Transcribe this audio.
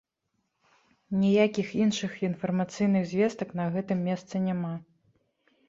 Ніякіх іншых інфармацыйных звестак на гэтым месцы няма.